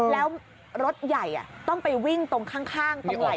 แล้วรถใหญ่ต้องไปวิ่งตรงข้างตรงไหล่